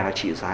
nó chỉ giá